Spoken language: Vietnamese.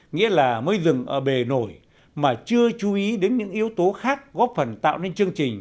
nghĩa là mới dừng ở bề nổi mà chưa chú ý đến những yếu tố khác góp phần tạo nên chương trình